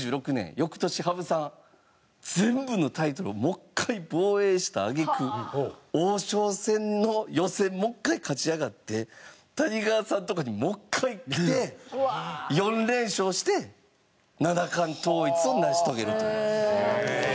翌年羽生さん全部のタイトルをもう一回防衛した揚げ句王将戦の予選もう一回勝ち上がって谷川さんのとこにもう一回来て４連勝して七冠統一を成し遂げるという。